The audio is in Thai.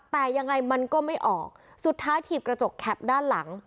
แต่ยังไงมันก็ไม่ออกสุดท้ายถีบกระจกแคปด้านหลัง